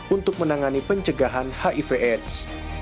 untuk menangani pencegahan hiv aids